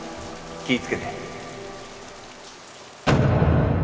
気いつけて